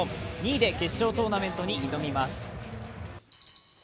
２位で決勝トーナメントに挑みます。